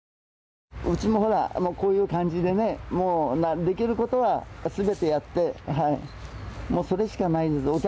うちもこういう感じでね、できることは全てやって、それしかないです。